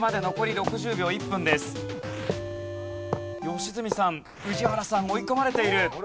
良純さん宇治原さん追い込まれている。